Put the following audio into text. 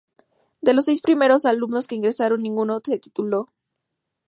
De los seis primeros alumnos que ingresaron, ninguno se tituló.